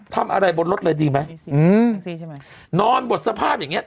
ทำอะไรบนรถเลยดีไหมสิอืมสิใช่ไหมนอนบทสภาพอย่างเงี้